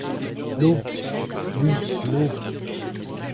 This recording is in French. L’eau ! oui, l’eau !